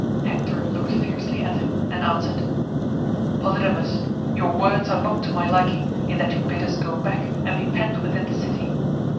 Hector looked fiercely at him and answered, "Polydamas, your words are not to my liking in that you bid us go back and be pent within the city.